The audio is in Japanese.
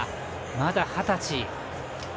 まだ二十歳。